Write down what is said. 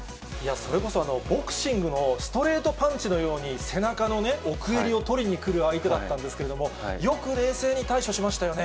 それこそボクシングのストレートパンチのように、背中の奥襟を取りにくる相手だったんですけれども、よく冷静に対処しましたよね。